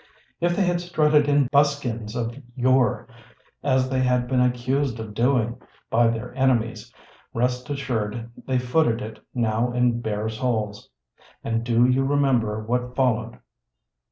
If they had strutted in buskins of yore, as they had been accused of doing by their enemies, rest assured they footed it now in bare soles. And do you remember what fol lowed?